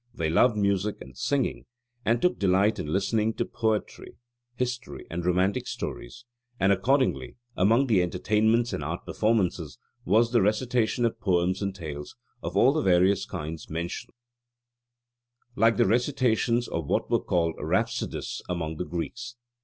They loved music and singing, and took delight in listening to poetry, history, and romantic stories; and accordingly, among the entertainments and art performances was the recitation of poems and tales of all the various kinds mentioned at p. 75 above, like the recitations of what were called Rhapsodists among the Greeks.